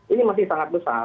ini masih sangat berhasil